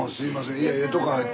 いやええとこ入ったわ。